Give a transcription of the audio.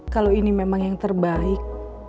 kalau ini memang yang terbaik